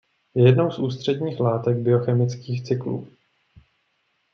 Je jednou z ústředních látek biochemických cyklů.